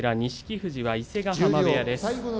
富士は伊勢ヶ濱部屋です。